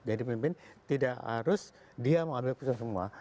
jadi pemimpin tidak harus dia mengambil keputusan semua